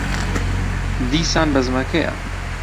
دیسان بەزمەکەیە.